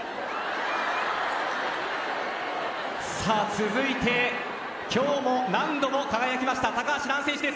続いて、今日も何度も輝きました高橋藍選手です。